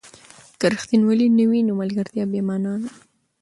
که ریښتینولي نه وي، نو ملګرتیا بې مانا ده.